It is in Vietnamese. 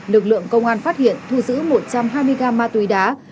lực lượng công an phát hiện thu giữ một trăm hai mươi gam ma túy đá